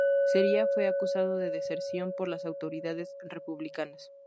Sería fue acusado de deserción por las autoridades republicanas.